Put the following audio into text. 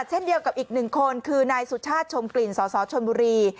เช่นเดียวกับอีกหนึ่งคนคือนายสุชาติชมกลิ่นสสชนบุรี